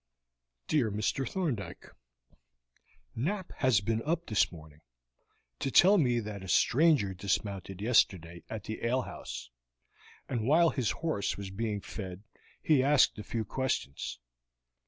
"DEAR MR. THORNDYKE: "Knapp has been up this morning to tell me that a stranger dismounted yesterday at the alehouse, and while his horse was being fed he asked a few questions.